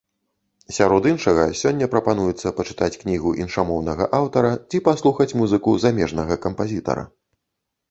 Сярод іншага, сёння прапануецца пачытаць кнігу іншамоўнага аўтара ці паслухаць музыку замежнага кампазітара.